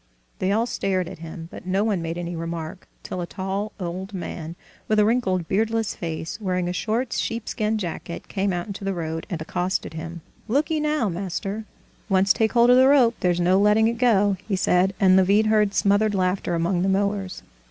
They all stared at him, but no one made any remark, till a tall old man, with a wrinkled, beardless face, wearing a short sheepskin jacket, came out into the road and accosted him. "Look'ee now, master, once take hold of the rope there's no letting it go!" he said, and Levin heard smothered laughter among the mowers.